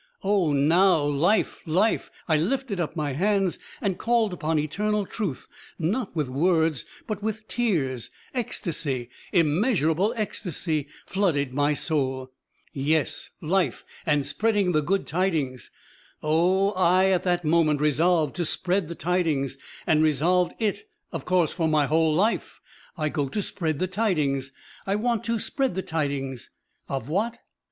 Oh, now, life, life! I lifted up my hands and called upon eternal truth, not with words but with tears; ecstasy, immeasurable ecstasy flooded my soul. Yes, life and spreading the good tidings! Oh, I at that moment resolved to spread the tidings, and resolved it, of course, for my whole life. I go to spread the tidings, I want to spread the tidings of what?